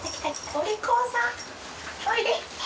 おいで！